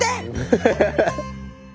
ハハハハ。